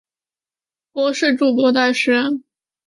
博士筑波大学。